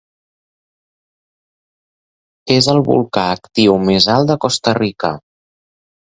És el volcà actiu més alt de Costa Rica.